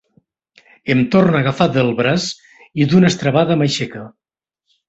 Em torna a agafar del braç i, d'una estrebada, m'aixeca.